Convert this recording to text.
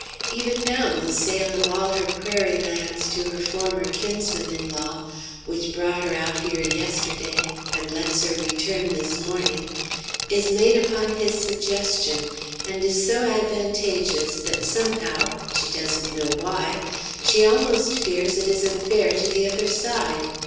Even now, the sale of all her prairie lands to her former kinsmen in law, which brought her out here yesterday and lets her return this morning, is made upon his suggestion, and is so advantageous that somehow, she doesn't know why, she almost fears it isn't fair to the other side.